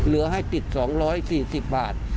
เหลือให้ติด๒๔๐บาท